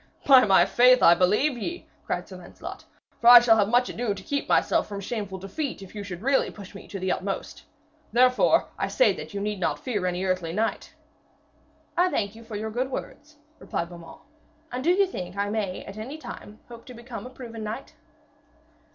'By my faith, I believe ye,' cried Sir Lancelot, 'for I should have much ado to keep myself from shameful defeat if you should really push me to the utmost. Therefore I say that you need not fear any earthly knight.' 'I thank you for your good words,' replied Beaumains. 'And do you think I may hope at any time to become a proved knight?'